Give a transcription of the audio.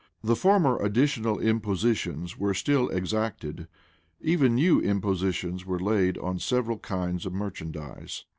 The former additional impositions were still exacted. Even new impositions were laid on several kinds of merchandise.